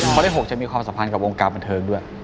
ข้อที่๖จะมีความสัมพันธ์กับวงการบันเทิงด้วย